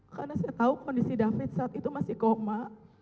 karena saya tahu kondisi david saat itu masih koma